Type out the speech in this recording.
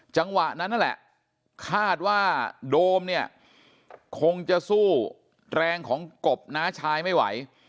จังหวะนั้นนั่นแหละคาดว่าโดมเนี่ยคงจะสู้แรงของกบน้าชายไม่ไหว